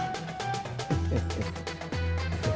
kasian terus terusan salah